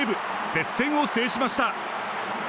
接戦を制しました。